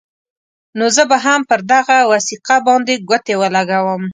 نو زه به هم پر دغه وثیقه باندې ګوتې ولګوم.